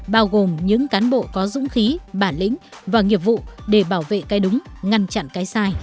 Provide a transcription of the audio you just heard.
bao gồm những cán bộ có dũng khí bản lĩnh và nghiệp vụ để bảo vệ cái đúng ngăn chặn cái sai